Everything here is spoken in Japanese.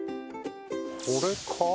これか？